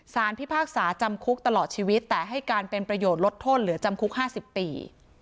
พิพากษาจำคุกตลอดชีวิตแต่ให้การเป็นประโยชน์ลดโทษเหลือจำคุก๕๐ปี